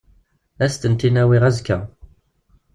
Ad asent-tent-in-awiɣ azekka.